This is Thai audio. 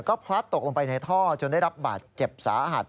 ก็พลัดตกลงไปในท่อจนได้รับบาดเจ็บสาหัส